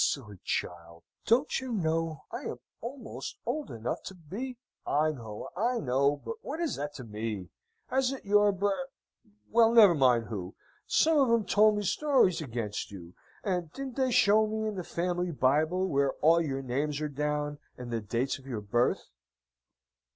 "You silly child! don't you know I am almost old enough to be...?" "I know I know! but what is that to me? Hasn't your br... well, never mind who, some of 'em told me stories against you, and didn't they show me the Family Bible, where all your names are down, and the dates of your birth?"